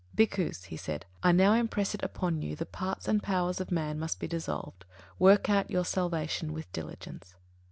"Bhikkhus," he said, "I now impress it upon you, the parts and powers of man must be dissolved. Work out your salvation with diligence."